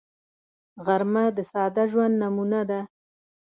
غرمه د ساده ژوند نمونه ده